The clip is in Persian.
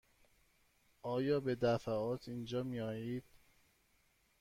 آیا به دفعات اینجا می آیید؟